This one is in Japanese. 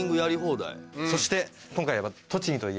そして今回は。